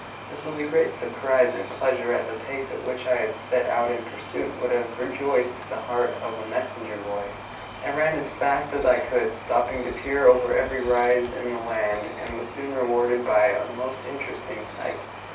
This was a great surprise and pleasure, and the pace at which I set out in pursuit would have rejoiced the heart of a messenger boy. I ran as fast as I could, stopping to peer over every rise in the land, and was soon rewarded by a most interesting sight.